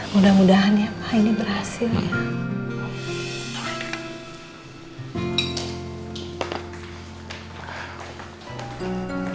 mudah mudahan ya pak ini berhasil ya